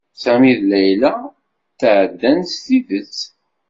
Sami d Layla tɛeddan s tidet.